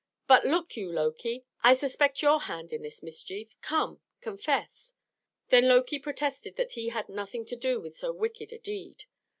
But look you, Loki: I suspect your hand in the mischief. Come, confess." Then Loki protested that he had nothing to do with so wicked a deed.